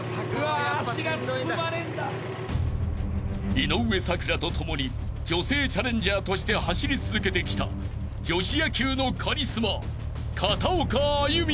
［井上咲楽と共に女性チャレンジャーとして走り続けてきた女子野球のカリスマ片岡安祐美］